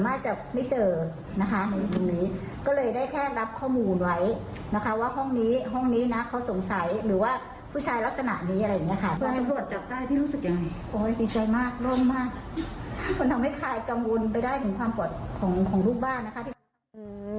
มันทำให้คลายกังวลไปได้ถึงความปลอดภัยของลูกบ้าน